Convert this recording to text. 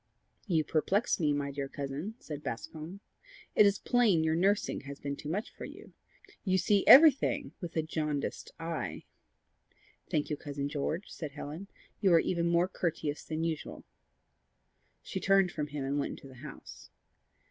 "You perplex me, my dear cousin," said Bascombe. "It is plain your nursing has been too much for you. You see everything with a jaundiced eye." "Thank you, Cousin George," said Helen. "You are even more courteous than usual." She turned from him and went into the house.